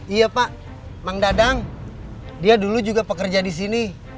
iya pak mang dadang dia dulu juga pekerja di sini